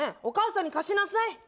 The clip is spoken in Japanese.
お母さんに貸しなさい。